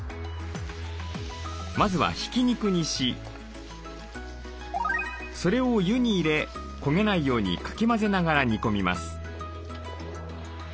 まずはひき肉にしそれを湯に入れ焦げないようにかき混ぜながら煮込みます。